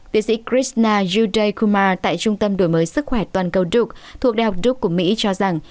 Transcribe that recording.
tiến sĩ krishna yudhakumar tại trung tâm đổi mới sức khỏe toàn cầu duke thuộc đại học duke của mỹ cho rằng